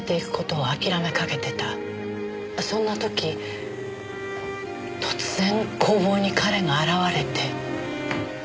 そんな時突然工房に彼が現れて。